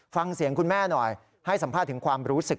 ฟังเสียงคุณแม่หน่อยให้สัมภาษณ์ถึงความรู้สึก